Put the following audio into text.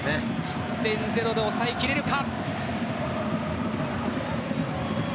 失点ゼロで抑えきれるか？